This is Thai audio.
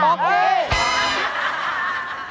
ปลอกเด้ง